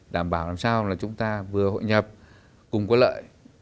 đảm bảo làm sao là chúng ta vừa hội nhập cùng có lợi